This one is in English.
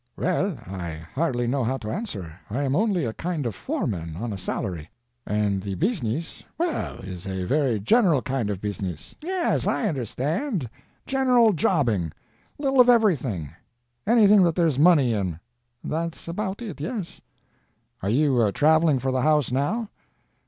"Well, I hardly know how to answer. I am only a kind of foreman, on a salary; and the business—well, is a very general kind of business." "Yes, I understand—general jobbing—little of everything—anything that there's money in." "That's about it, yes." "Are you traveling for the house now?"